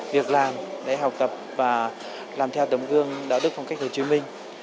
việc làm để học tập và làm theo tấm gương đạo đức phong cách hồ chí minh